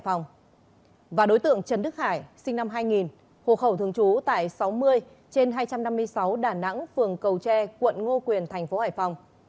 hồ khẩu thường trú tại sáu mươi trên hai trăm năm mươi sáu đà nẵng phường cầu tre quận ngo quyền tp hải phòng